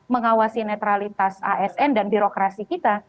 mengawasi netralitas asn dan birokrasi kita